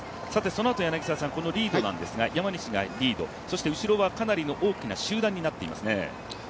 そのあとリードなんですが山西がリード、そして後ろはかなり大きな集団になっていますね。